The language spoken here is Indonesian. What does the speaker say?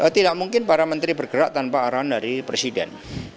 tidak mungkin para menteri bergerak tanpa arahan dari presiden